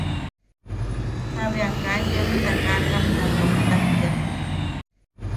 Ta bea kaa yoem takakamta nottak tea.